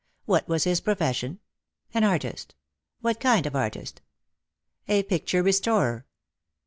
What was his pro fession? An artist. What kind of artist P A picture restorer.